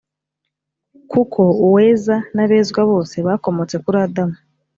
kuko uweza n’abezwa bose bakomotse kuri adamu